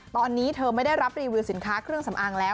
ตอนนี้เธอไม่ได้รับรีวิวสินค้าเครื่องสำอางแล้ว